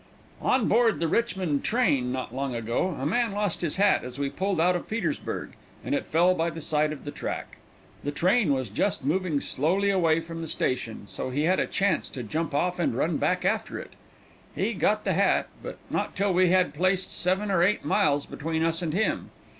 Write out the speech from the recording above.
On board the Richmond train not long ago a man lost his hat as we pulled out of Petersburg, and it fell by the side of the track. The train was just moving slowly away from the station, so he had a chance to jump off and run back after it. He got the hat, but not till we had placed seven or eight miles between us and him.